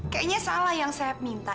kayaknya salah yang saya minta